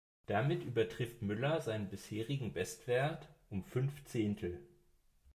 Damit übertrifft Müller seinen bisherigen Bestwert um fünf Zehntel.